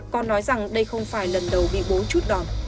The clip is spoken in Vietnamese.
con nói rằng đây không phải lần đầu bị bố chút đòn